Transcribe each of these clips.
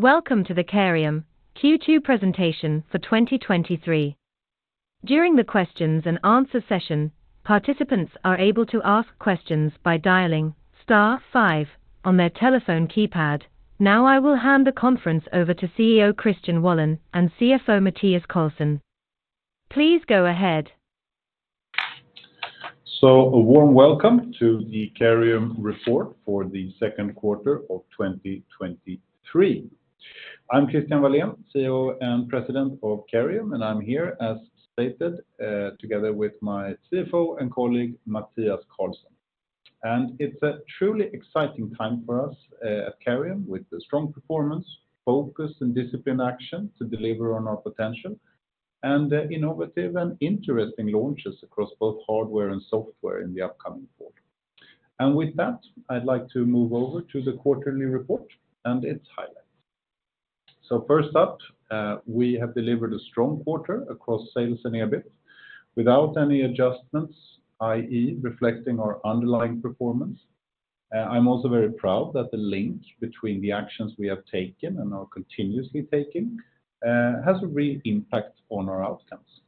Welcome to the Careium Q2 presentation for 2023. During the questions and answer session, participants are able to ask questions by dialing star five on their telephone keypad. Now, I will hand the conference over to CEO Christian Walén and CFO Mathias Carlsson. Please go ahead. A warm welcome to the Careium report for the Q2 of 2023. I'm Christian Walén, CEO and President of Careium, and I'm here, as stated, together with my CFO and colleague, Mathias Carlsson. It's a truly exciting time for us at Careium, with a strong performance, focus, and disciplined action to deliver on our potential, and innovative and interesting launches across both hardware and software in the upcoming quarter. With that, I'd like to move over to the quarterly report and its highlights. First up, we have delivered a strong quarter across sales and EBIT, without any adjustments, i.e., reflecting our underlying performance. I'm also very proud that the link between the actions we have taken and are continuously taking has a real impact on our outcomes.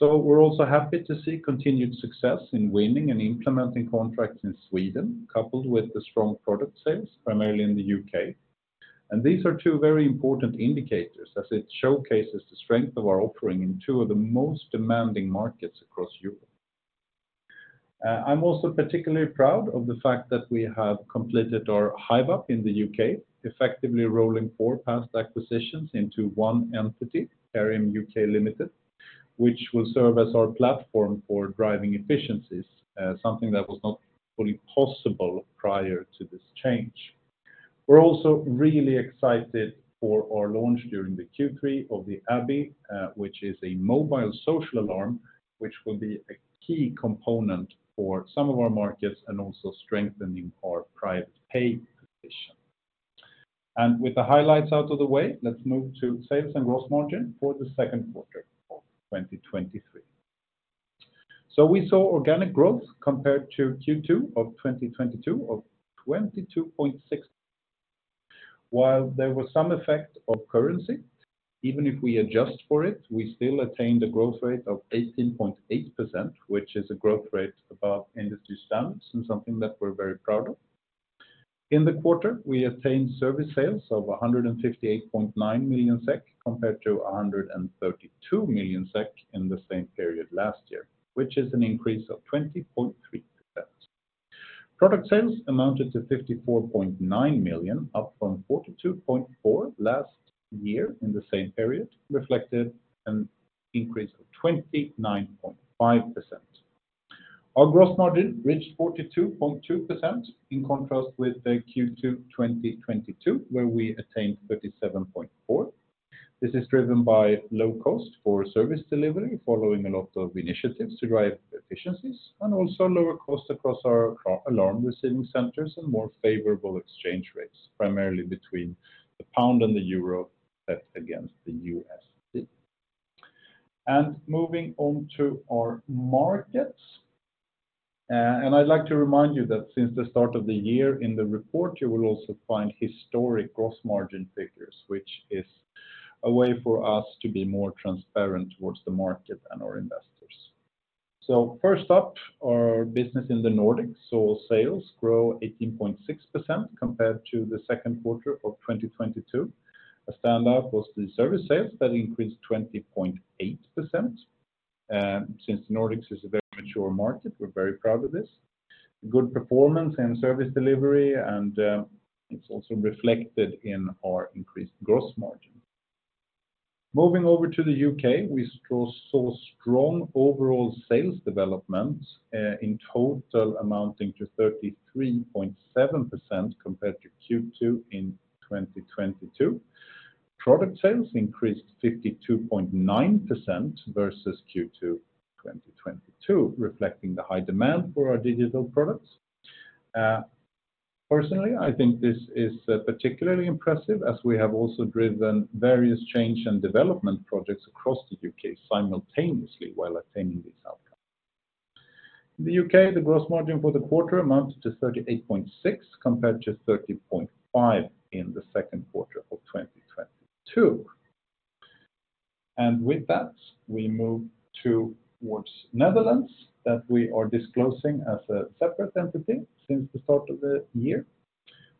We're also happy to see continued success in winning and implementing contracts in Sweden, coupled with the strong product sales, primarily in the UK. These are two very important indicators as it showcases the strength of our offering in two of the most demanding markets across Europe. I'm also particularly proud of the fact that we have completed our hive-up in the UK, effectively rolling four past acquisitions into one entity, Careium UK Limited, which will serve as our platform for driving efficiencies, something that was not fully possible prior to this change. We're also really excited for our launch during the Q3 of the Abby, which is a mobile social alarm, which will be a key component for some of our markets and also strengthening our private pay position. With the highlights out of the way, let's move to sales and gross margin for the Q2 of 2023. We saw organic growth compared to Q2 of 2022 of 22.6%. While there was some effect of currency, even if we adjust for it, we still attained a growth rate of 18.8%, which is a growth rate above industry standards and something that we're very proud of. In the quarter, we attained service sales of 158.9 million SEK, compared to 132 million SEK in the same period last year, which is an increase of 20.3%. Product sales amounted to 54.9 million, up from 42.4 million last year in the same period, reflected an increase of 29.5%. Our gross margin reached 42.2%, in contrast with the Q2 2022, where we attained 37.4%. This is driven by low cost for service delivery, following a lot of initiatives to drive efficiencies, also lower cost across our alarm receiving centers and more favorable exchange rates, primarily between the pound and the euro against the USD. Moving on to our markets, I'd like to remind you that since the start of the year in the report, you will also find historic gross margin figures, which is a way for us to be more transparent towards the market and our investors. First up, our business in the Nordics, saw sales grow 18.6% compared to the Q2 of 2022. A standout was the service sales that increased 20.8%. Since the Nordics is a very mature market, we're very proud of this. Good performance and service delivery, it's also reflected in our increased gross margin. Moving over to the UK, we saw strong overall sales development, in total amounting to 33.7% compared to Q2 2022. Product sales increased 52.9% versus Q2 2022, reflecting the high demand for our digital products. Personally, I think this is particularly impressive as we have also driven various change and development projects across the UK simultaneously while attaining these outcomes. In the UK, the gross margin for the quarter amounted to 38.6, compared to 30.5 in the Q2 of 2022. With that, we move towards Netherlands, that we are disclosing as a separate entity since the start of the year.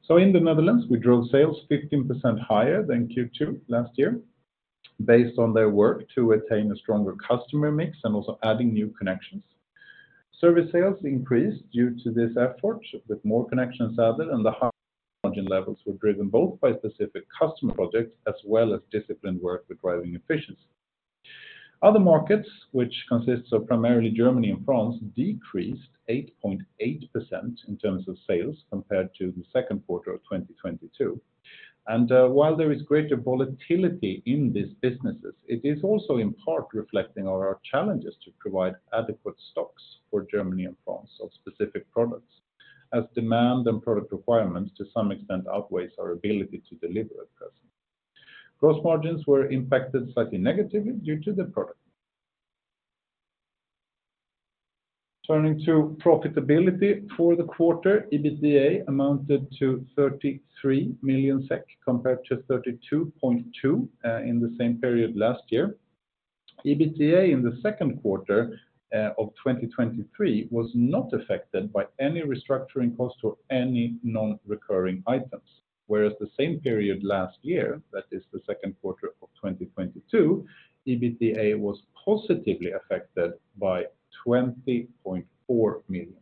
In the Netherlands, we drove sales 15% higher than Q2 last year, based on their work to attain a stronger customer mix and also adding new connections. Service sales increased due to this effort, with more connections added, and the higher margin levels were driven both by specific customer projects as well as disciplined work with driving efficiency. Other markets, which consists of primarily Germany and France, decreased 8.8% in terms of sales, compared to the Q2 of 2022. While there is greater volatility in these businesses, it is also in part reflecting on our challenges to provide adequate stocks for Germany and France of specific products, as demand and product requirements, to some extent, outweighs our ability to deliver at present. Gross margins were impacted slightly negatively due to the product. Turning to profitability for the quarter, EBITDA amounted to 33 million SEK, compared to 32.2 million in the same period last year. EBITDA in the Q2 of 2023 was not affected by any restructuring cost or any non-recurring items, whereas the same period last year, that is the Q2 of 2022, EBITDA was positively affected by 20.4 million.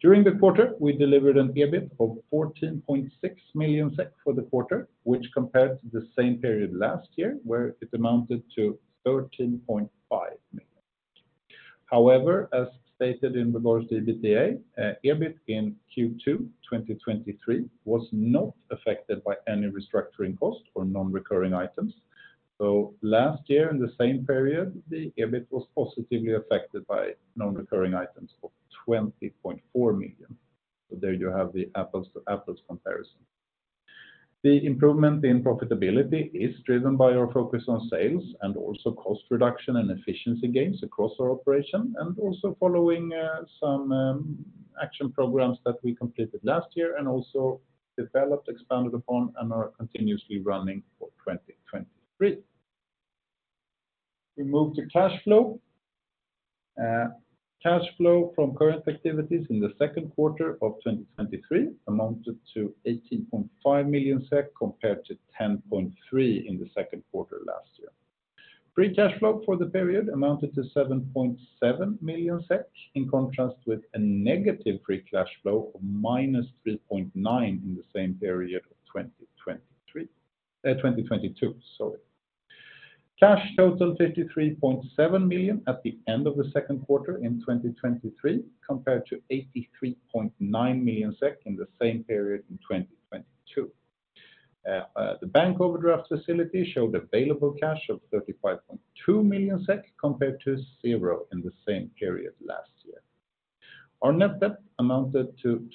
During the quarter, we delivered an EBIT of 14.6 million for the quarter, which compared to the same period last year, where it amounted to 13.5 million. However, as stated in regards to EBITDA, EBIT in Q2 2023 was not affected by any restructuring cost or non-recurring items. Last year, in the same period, the EBIT was positively affected by non-recurring items of 20.4 million. There you have the apples-to-apples comparison. The improvement in profitability is driven by our focus on sales and also cost reduction and efficiency gains across our operation, and also following some action programs that we completed last year and also developed, expanded upon, and are continuously running for 2023. We move to cash flow. Cash flow from current activities in the Q2 of 2023 amounted to 18.5 million SEK, compared to 10.3 in the Q2 last year. Free cash flow for the period amounted to 7.7 million SEK, in contrast with a negative free cash flow of -3.9 in the same period of 2023, 2022, sorry. Cash total 53.7 million at the end of the Q2 in 2023, compared to 83.9 million SEK in the same period in 2022. The bank overdraft facility showed available cash of 35.2 million SEK, compared to zero in the same period last year. Our net debt amounted to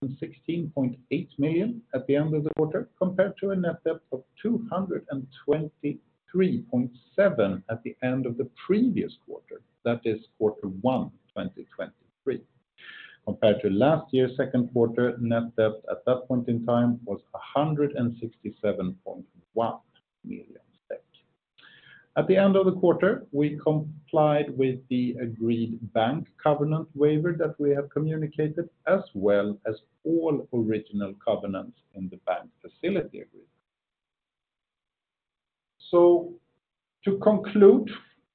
216.8 million at the end of the quarter, compared to a net debt of 223.7 million at the end of the previous quarter, that is quarter one 2023. Compared to last year's Q2, net debt at that point in time was 167.1 million. At the end of the quarter, we complied with the agreed bank covenant waiver that we have communicated, as well as all original covenants in the bank facility agreement. To conclude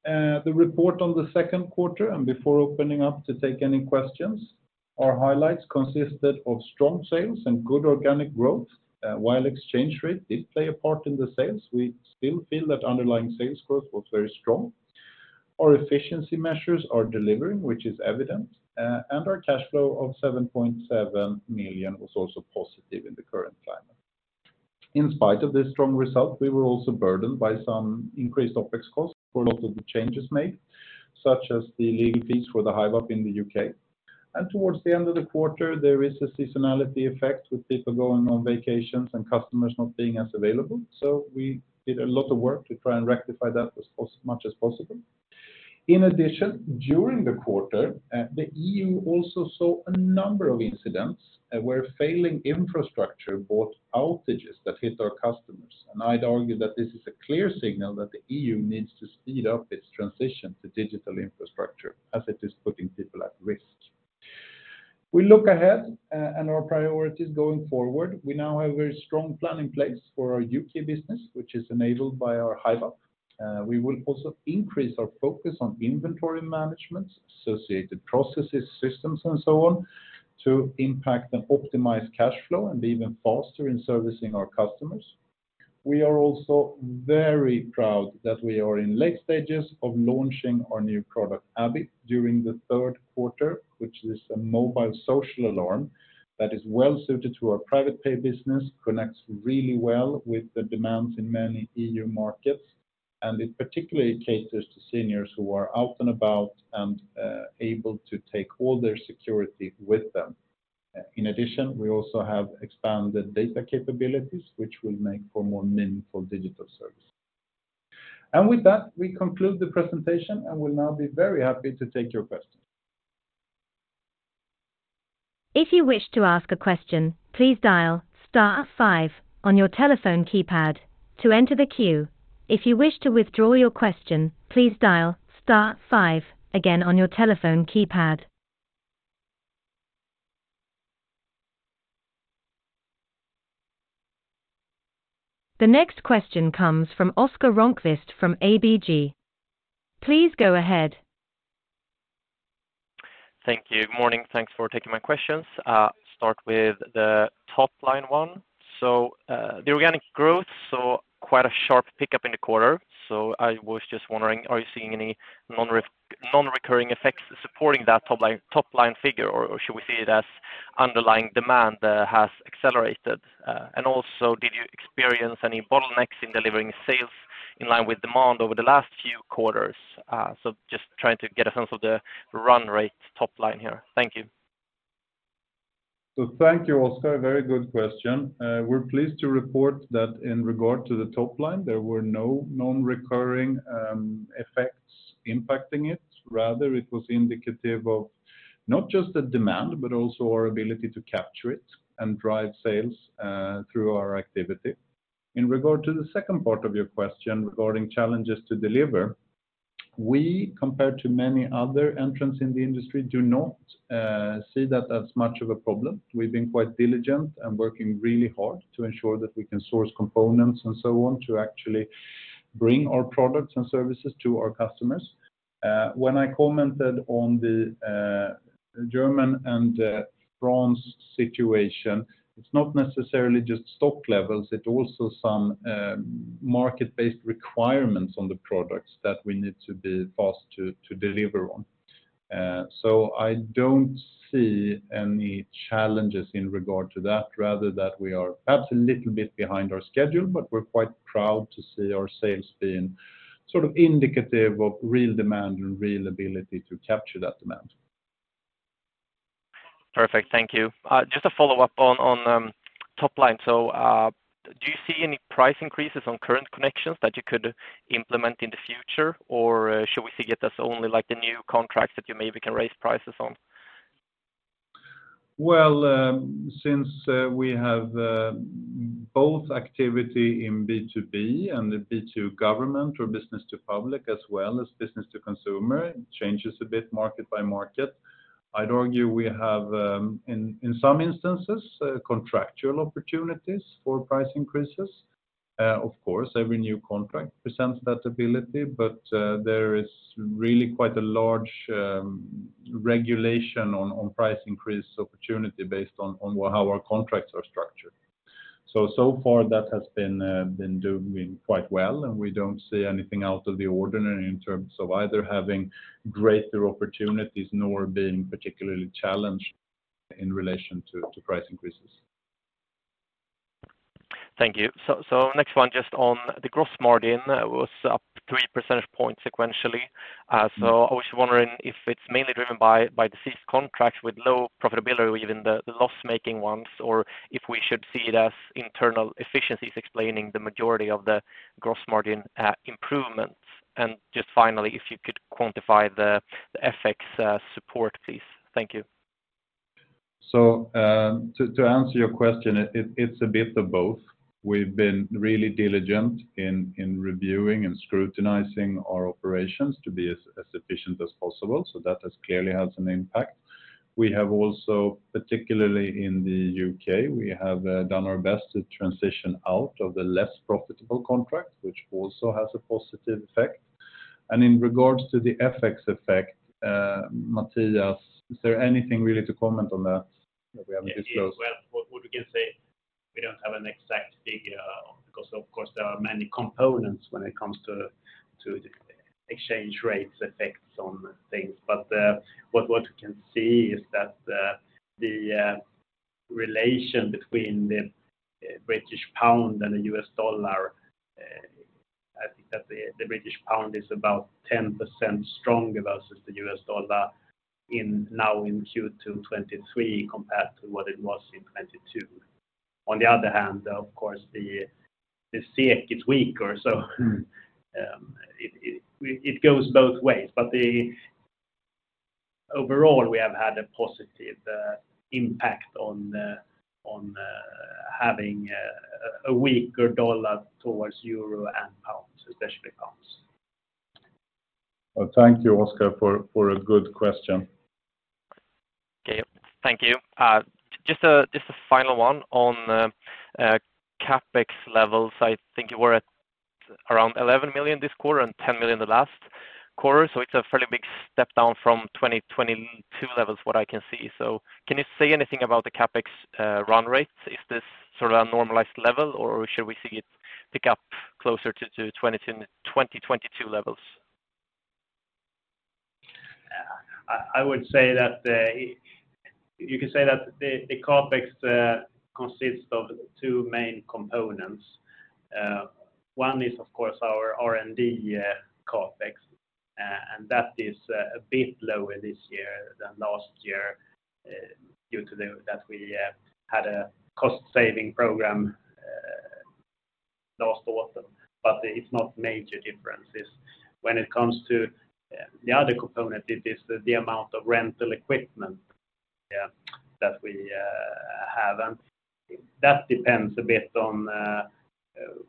the report on the Q2 and before opening up to take any questions, our highlights consisted of strong sales and good organic growth. While exchange rate did play a part in the sales, we still feel that underlying sales growth was very strong. Our efficiency measures are delivering, which is evident, our cash flow of 7.7 million was also positive in the current climate. In spite of this strong result, we were also burdened by some increased OpEx costs for a lot of the changes made, such as the legal fees for the hive-up in the UK. Towards the end of the quarter, there is a seasonality effect with people going on vacations and customers not being as available. We did a lot of work to try and rectify that as much as possible. In addition, during the quarter, the EU also saw a number of incidents, where failing infrastructure brought outages that hit our customers. I'd argue that this is a clear signal that the EU needs to speed up its transition to digital infrastructure as it is putting people at risk. We look ahead, and our priorities going forward. We now have a very strong plan in place for our UK business, which is enabled by our hive-up. We will also increase our focus on inventory management, associated processes, systems, and so on, to impact and optimize cash flow and be even faster in servicing our customers. We are also very proud that we are in late stages of launching our new product, Abby, during the Q3, which is a mobile social alarm that is well-suited to our private pay business, connects really well with the demands in many EU markets, and it particularly caters to seniors who are out and about and able to take all their security with them. In addition, we also have expanded data capabilities, which will make for more meaningful digital services. With that, we conclude the presentation and will now be very happy to take your questions. If you wish to ask a question, please dial star five on your telephone keypad to enter the queue. If you wish to withdraw your question, please dial star five again on your telephone keypad. The next question comes from Oscar Rönnkvist from ABG. Please go ahead. Thank you. Morning. Thanks for taking my questions. Start with the top line one. The organic growth saw quite a sharp pickup in the quarter, so I was just wondering, are you seeing any non-recurring effects supporting that top line figure, or should we see it as underlying demand has accelerated? Did you experience any bottlenecks in delivering sales in line with demand over the last few quarters? Just trying to get a sense of the run rate top line here. Thank you. Thank you, Oscar Rönnkvist. Very good question. We're pleased to report that in regard to the top line, there were no non-recurring effects impacting it. Rather, it was indicative of not just the demand, but also our ability to capture it and drive sales through our activity. In regard to the second part of your question regarding challenges to deliver, we, compared to many other entrants in the industry, do not see that as much of a problem. We've been quite diligent and working really hard to ensure that we can source components and so on, to actually bring our products and services to our customers. When I commented on the German and France situation, it's not necessarily just stock levels, it's also some market-based requirements on the products that we need to be fast to deliver on. I don't see any challenges in regard to that, rather, that we are perhaps a little bit behind our schedule, but we're quite proud to see our sales being indicative of real demand and real ability to capture that demand. Perfect. Thank you. Just a follow-up on top line. Do you see any price increases on current connections that you could implement in the future? Should we see it as only like the new contracts that you maybe can raise prices on? Well, since we have both activity in B2B and the B2 government, or business to public, as well as business to consumer, it changes a bit market by market. I'd argue we have in some instances contractual opportunities for price increases. Of course, every new contract presents that ability, but there is really quite a large regulation on price increase opportunity based on how our contracts are structured. So far that has been doing quite well, and we don't see anything out of the ordinary in terms of either having greater opportunities nor being particularly challenged in relation to price increases. Thank you. Next one, just on the gross margin, was up 3% points sequentially. I was just wondering if it's mainly driven by the ceased contracts with low profitability, even the loss-making ones, or if we should see it as internal efficiencies explaining the majority of the gross margin improvements. Just finally, if you could quantify the FX support, please. Thank you. To answer your question, it's a bit of both. We've been really diligent in reviewing and scrutinizing our operations to be as efficient as possible, that has clearly has an impact. We have also, particularly in the U.K., we have done our best to transition out of the less profitable contracts, which also has a positive effect. In regards to the FX effect, Mathias, is there anything really to comment on that we haven't disclosed? Well, what we can say, we don't have an exact figure, because of course, there are many components when it comes to the exchange rates effects on things. What we can see is that the relation between the British pound and the US dollar, I think that the British pound is about 10% stronger versus the US dollar now in Q2 2023, compared to what it was in 2022. On the other hand, of course, the SEK is weaker, so it goes both ways. Overall, we have had a positive impact on having a weaker dollar towards euro and pounds, especially pounds. Well, thank you, Oscar, for a good question. Okay, thank you. Just a final one on the CapEx levels. I think you were at around 11 million this quarter and 10 million the last quarter, so it's a fairly big step down from 2022 levels, what I can see. Can you say anything about the CapEx run rate? Is this a normalized level, or should we see it pick up closer to 2022 levels? I would say that, you could say that the CapEx consists of 2 main components. One is, of course, our R&D CapEx, and that is a bit lower this year than last year, due to the that we had a cost-saving program last autumn. It's not major differences. When it comes to the other component, it is the amount of rental equipment that we have. That depends a bit on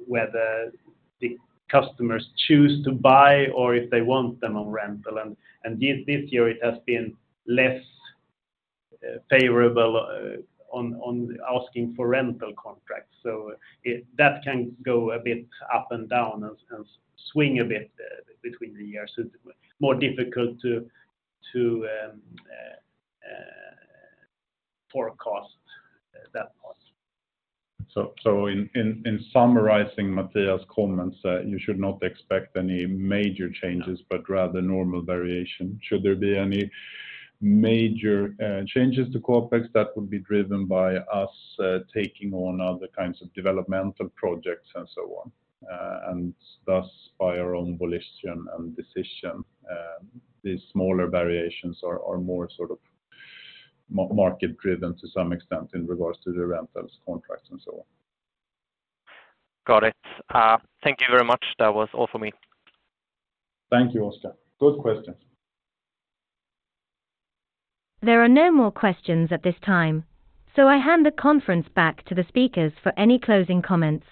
whether the customers choose to buy or if they want them on rental. This year it has been less favorable on asking for rental contracts. That can go a bit up and down and swing a bit between the years. It's more difficult to forecast that part. In summarizing Mathias' comments, you should not expect any major changes. But rather normal variation. Should there be any major changes to CapEx, that would be driven by us taking on other kinds of developmental projects and so on, and thus, by our own volition and decision. These smaller variations are more market driven to some extent in regards to the rentals, contracts, and so on. Got it. Thank you very much. That was all for me. Thank you, Oscar. Good questions. There are no more questions at this time. I hand the conference back to the speakers for any closing comments.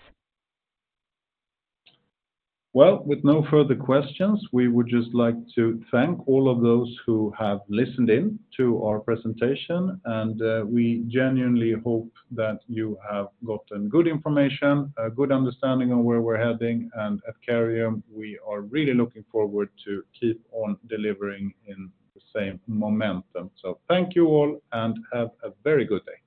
Well, with no further questions, we would just like to thank all of those who have listened in to our presentation, and we genuinely hope that you have gotten good information, a good understanding on where we're heading. At Careium, we are really looking forward to keep on delivering in the same momentum. Thank you all, and have a very good day.